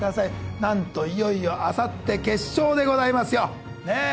いよいよあさって決勝でございますよねぇ